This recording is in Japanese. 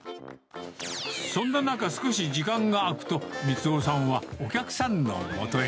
そんな中、少し時間が空くと、光夫さんは、お客さんのもとへ。